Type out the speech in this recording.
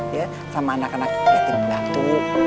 nah sama anak anak ya tipe datu